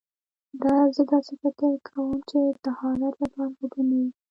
زه داسې فکر کوم چې طهارت لپاره اوبه نه وي.